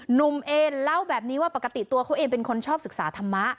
หนุ่มเอนเล่าแบบนี้ว่าปกติตัวเขาเองเป็นคนชอบศึกษาธรรมะ